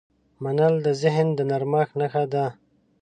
منل د ذهن د نرمښت نښه ده.